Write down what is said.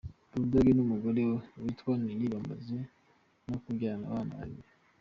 Bulldogg n’umugore we witwa Nelly bamaze no kubyarana abana babiri.